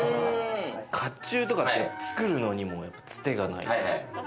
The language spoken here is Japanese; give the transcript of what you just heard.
甲冑とかって作るのにも、つてがないと。